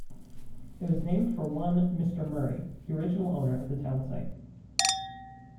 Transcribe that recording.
It was named for one Mr. Murray, the original owner of the town site.